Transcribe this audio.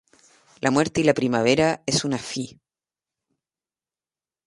La muerte y la primavera es una fi